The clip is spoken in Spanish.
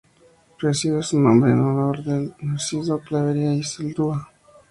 Recibe su nombre en honor del Narciso Clavería y Zaldúa.